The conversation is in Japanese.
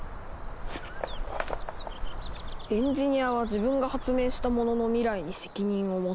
「エンジニアは自分が発明したものの未来に責任を持て」。